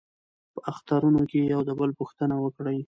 په اخترونو کې د یو بل پوښتنه وکړئ.